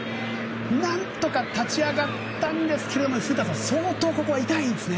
何とか立ち上がったんですが古田さん相当ここは痛いですね。